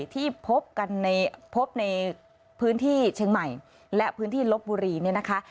ที่พบกันในพบในพื้นที่เชียงใหม่และพื้นที่ลบบุรีเนี่ยนะคะ